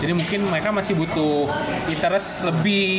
mungkin mereka masih butuh interest lebih